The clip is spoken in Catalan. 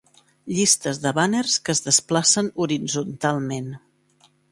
Llistes de bàners que es desplacen horitzontalment.